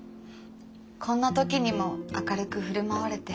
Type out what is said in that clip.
こんな時にも明るく振る舞われて。